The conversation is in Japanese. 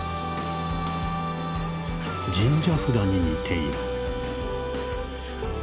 「神社札に似ている。」。